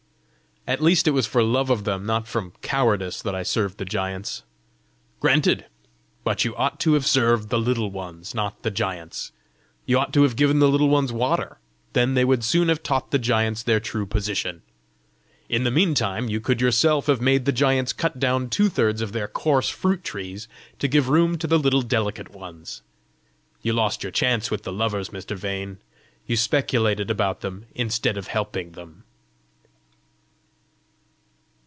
"At least it was for love of them, not from cowardice that I served the giants!" "Granted. But you ought to have served the Little Ones, not the giants! You ought to have given the Little Ones water; then they would soon have taught the giants their true position. In the meantime you could yourself have made the giants cut down two thirds of their coarse fruit trees to give room to the little delicate ones! You lost your chance with the Lovers, Mr. Vane! You speculated about them instead of helping them!"